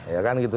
iya kan gitu